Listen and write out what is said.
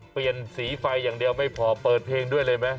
เปลี่ยนสีไฟอย่างเดียวไม่พอเปิดเพลงด้วยเลยไหม